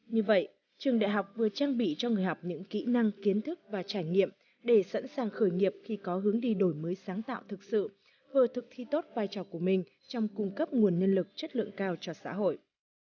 như vậy trường đại học vừa trang bị cho người học những kỹ năng kiến thức và trải nghiệm để sẵn sàng khởi nghiệp khi có hướng đi đổi mới sáng tạo thực sự vừa thực thi tốt vai trò của mình trong cung cấp nguồn nhân lực chất lượng cao cho xã hội